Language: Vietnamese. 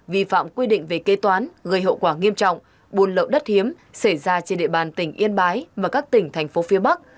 vi phạm quy định về kê toán gây hậu quả nghiêm trọng buôn lậu đất hiếm xảy ra trên địa bàn tỉnh yên bái và các tỉnh thành phố phía bắc